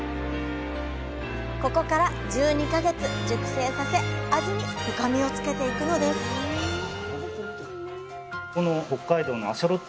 ここから１２か月熟成させ味に深みをつけていくのですいや